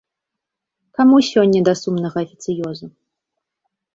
Каму сёння да сумнага афіцыёзу.